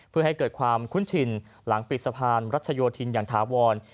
เพื่อให้เกิดความคุ้นชินหลังปิดสะพานรัชโยธินอย่างถาวร